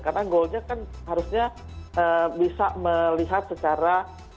karena goalnya kan harusnya bisa melihat secara